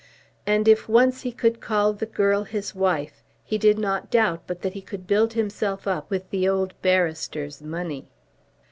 And if once he could call the girl his wife, he did not doubt but that he could build himself up with the old barrister's money.